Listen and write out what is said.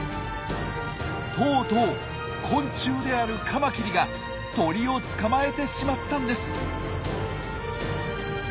とうとう昆虫であるカマキリが鳥を捕まえてしまったんです。